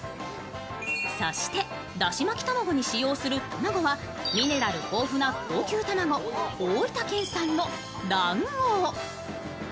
そして、だし巻き卵に使用する卵はミネラル豊富な高級卵、大分県産の蘭王。